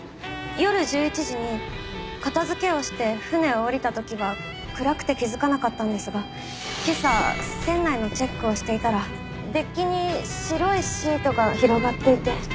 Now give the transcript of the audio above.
夜１１時に片付けをして船を降りた時は暗くて気づかなかったんですが今朝船内のチェックをしていたらデッキに白いシートが広がっていて。